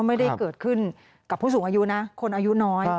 ไม่ได้เกิดขึ้นกับผู้สูงอายุนะคนอายุน้อย